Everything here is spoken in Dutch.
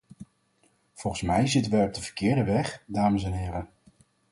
Volgens mij zitten wij op de verkeerde weg, dames en heren.